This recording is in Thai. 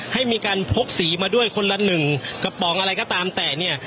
ให้มีการพกสีมาด้วยคนละหนึ่งกระป๋องอะไรก็ตามแต่เนี่ย